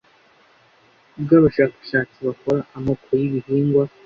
bw abashakashatsi bakora amoko y ibihingwa